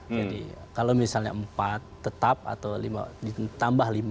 jadi kalau misalnya empat tetap atau ditambah lima